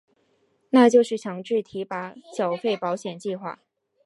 那就是强制提拨缴费保险计划。